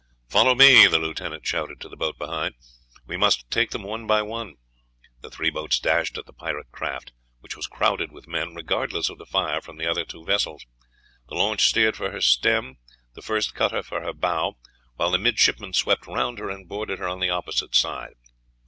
"Follow me," the lieutenant shouted to the boat behind; "we must take them one by one." The three boats dashed at the pirate craft, which was crowded with men, regardless of the fire from the other two vessels. The launch steered for her stem, the first cutter for her bow, while the midshipmen swept round her, and boarded her on the opposite side.